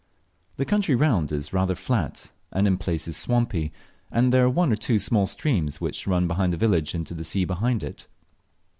The country round is rather flat, and in places swampy, and there are one or two small streams which run behind the village into the sea below it.